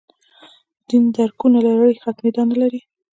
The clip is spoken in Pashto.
دین درکونو لړۍ ختمېدا نه لري.